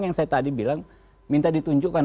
yang saya tadi bilang minta ditunjukkan